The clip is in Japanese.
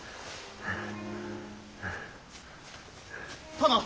殿！